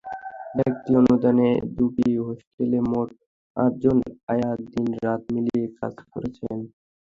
ব্যক্তি অনুদানে দুটি হোস্টেলে মোট আটজন আয়া দিন-রাত মিলিয়ে কাজ করছেন।